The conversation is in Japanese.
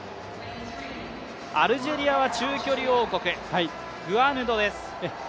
アルジェリアは中距離王国、グアヌドです。